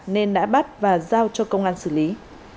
nên đã bắt và giao cho công an xử lý